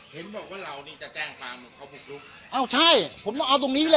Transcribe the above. เห็นบอกว่าเรานี่จะแจ้งฟาร์มเอ้าใช่ผมต้องเอาตรงนี้เลยอ่ะ